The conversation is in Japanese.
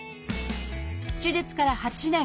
手術から８年。